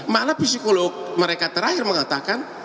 makna psikolog mereka terakhir mengatakan